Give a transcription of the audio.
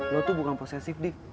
lu tuh bukan posesif div